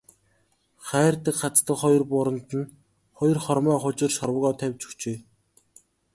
Хайрдаг хаздаг хоёр бууранд нь хоёр хормой хужир шорвогоо тавьж өгчээ.